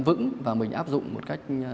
vững và mình áp dụng một cách